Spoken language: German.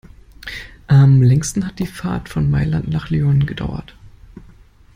Am längsten hat die Fahrt von Mailand nach Lyon gedauert.